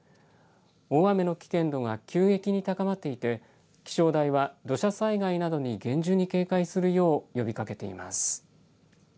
大雨の危険度が急激に高まっていて気象台は土砂災害などに厳重に警戒するよう呼びかけています。